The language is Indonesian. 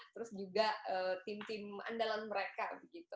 terus juga tim tim andalan mereka begitu